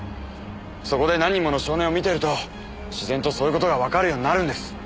そこで何人もの少年を見てると自然とそういう事がわかるようになるんです。